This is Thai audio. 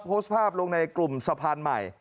โพสต์ภาพลงในกลุ่มสะพานใหม่